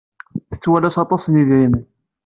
Tettwalas aṭas n yidrimen.